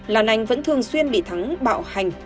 lan anh vẫn thường xuyên bị thắng bạo hành